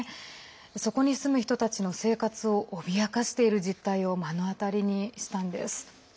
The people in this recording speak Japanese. そこに住む人たちの生活を脅かしている実態を目の当たりにしたんです。